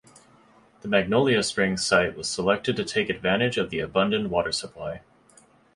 The Magnolia Springs site was selected to take advantage of the abundant water supply.